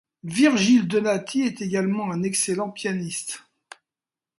Virgil Donati est également un excellent pianiste.